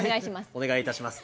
お願いいたします。